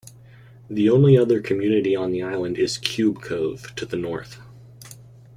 The only other community on the island is Cube Cove, to the north.